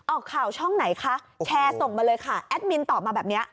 ออกข่าวช่องไหนคะแชร์ส่งมาเลยค่ะแอดมินตอบมาแบบนี้